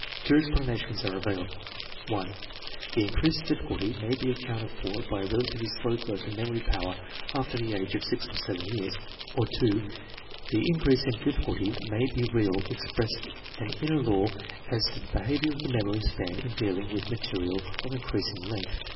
Two explanations are available: (1) The increased difficulty may be accounted for by a relatively slow growth of memory power after the age of 6 or 7 years; or (2) the increase in difficulty may be real, expressing an inner law as to the behavior of the memory span in dealing with material of increasing length.